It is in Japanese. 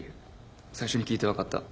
最初に聴いて分かった。